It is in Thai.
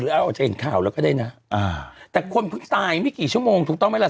อาจจะเห็นข่าวแล้วก็ได้นะอ่าแต่คนเพิ่งตายไม่กี่ชั่วโมงถูกต้องไหมล่ะ